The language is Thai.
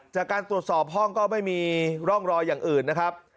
จากการตรวจสอบห้องก็ไม่มีร่องรอยอย่างอื่นนะครับ